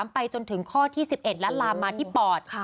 ไปจนถึงข้อที่๑๑และลามมาที่ปอด